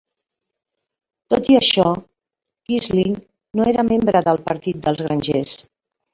Tot i això, Quisling no era membre del Partit dels Grangers.